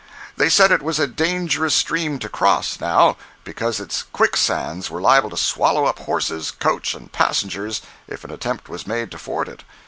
They said it was a dangerous stream to cross, now, because its quicksands were liable to swallow up horses, coach and passengers if an attempt was made to ford it.